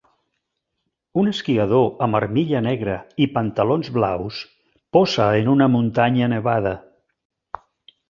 Un esquiador amb armilla negra i pantalons blaus posa en una muntanya nevada.